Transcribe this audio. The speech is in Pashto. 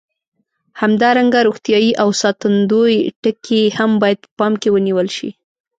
همدارنګه روغتیایي او ساتندوي ټکي هم باید په پام کې ونیول شي.